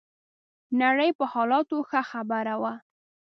نړۍ په حالاتو ښه خبر وو.